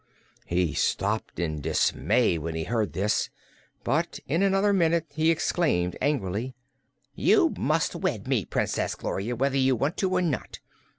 He stopped in dismay when he heard this, but in another minute he exclaimed angrily: "You must wed me, Princess Gloria, whether you want to or not!